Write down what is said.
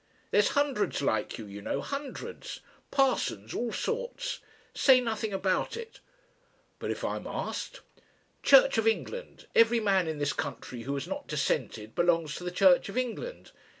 There's hundreds like you, you know hundreds. Parsons all sorts. Say nothing about it " "But if I'm asked?" "Church of England. Every man in this country who has not dissented belongs to the Church of England.